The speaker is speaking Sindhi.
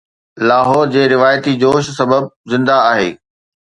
لاهور جي روايتي جوش سبب زنده آهي